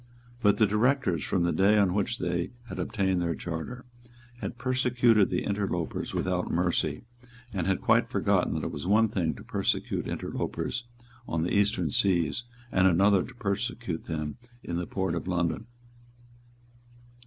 But the Directors, from the day on which they had obtained their charter, had persecuted the interlopers without mercy, and had quite forgotten that it was one thing to persecute interlopers in the Eastern Seas, and another to persecute them in the port of London.